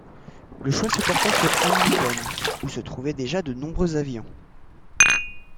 Le choix se porta sur Hamilton, où se trouvaient déjà de nombreux avions.